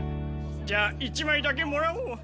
じゃあ一枚だけもらおう。